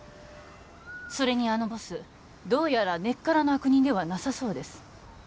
それにあのボスどうやら根っからの悪人ではなさそうです